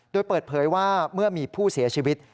โดยเปิดเผยว่าเมื่อมีผู้เสียชีวิต